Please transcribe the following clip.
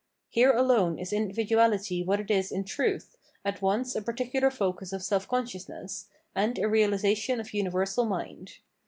Here alone is individuality what it is in truth, at once a particular focus of self consciousness, and a realisation of universal mind.